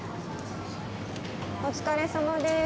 お疲れさまです。